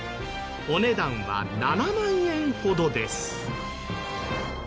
お値段は７万円ほどです。